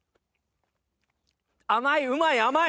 甘いうまい甘い！